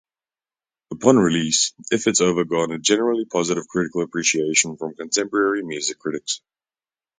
Upon release, "If It's Over" garnered generally positive critical appreciation from contemporary music critics.